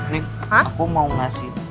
nek aku mau ngasih